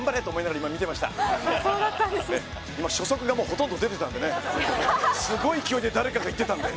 もう初速がほとんど、出てたんでね、すごい勢いで誰かが言ってたんで。